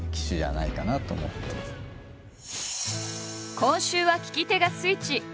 今週は聞き手がスイッチ。